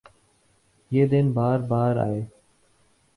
یہ دن بار بارآۓ